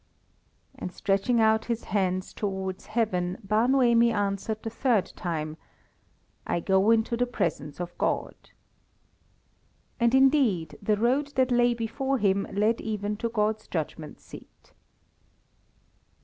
And stretching out his hands towards heaven, Bar Noemi answered the third time "I go into the presence of God!" And, indeed, the road that lay before him led even to God's judgment seat.